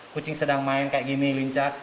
kucing sedang main kayak gini lincat